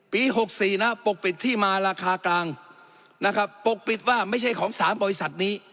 ๖๔นะปกปิดที่มาราคากลางนะครับปกปิดว่าไม่ใช่ของ๓บริษัทนี้